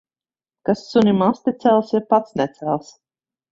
Kas sunim asti cels, ja pats necels.